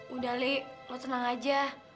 mudah li lo tenang aja